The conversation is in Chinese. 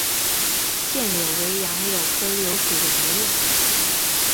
腺柳为杨柳科柳属的植物。